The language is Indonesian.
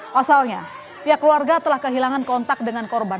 pasalnya pihak keluarga telah kehilangan kontak dengan korban